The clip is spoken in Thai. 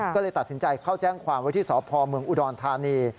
ก็เลยตัดสินใจเข้าแจ้งความวิทยุทธิสอบพอร์เมืองอุดอลธานี